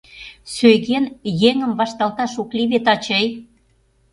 — Сӧйген, еҥым вашталташ ок лий вет, ачый...